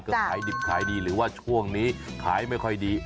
ก็ขายดิบขายดีหรือว่าช่วงนี้ขายไม่ค่อยดี